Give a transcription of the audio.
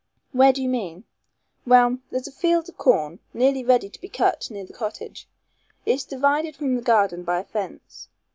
"Where do you mean?" "Well, there's a field of corn nearly ready to be cut near the cottage. It's divided from the garden by a fence.